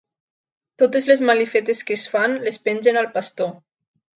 Totes les malifetes que es fan, les pengen al pastor.